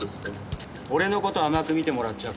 俺の事を甘く見てもらっちゃ困る。